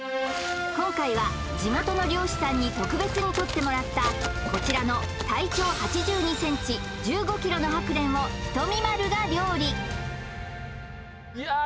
今回は地元の漁師さんに特別にとってもらったこちらの体長８２ｃｍ１５ｋｇのハクレンをひとみ○が料理いやあ